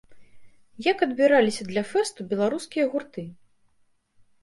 Як адбіраліся для фэсту беларускія гурты?